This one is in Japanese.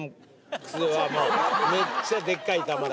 めっちゃでっかい玉だから。